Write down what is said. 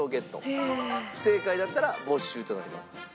不正解だったら没収となります。